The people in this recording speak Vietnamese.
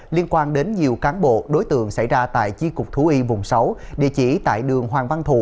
liên quan đến nhiều cán bộ đối tượng xảy ra tại chi cục thú y vùng sáu địa chỉ tại đường hoàng văn thụ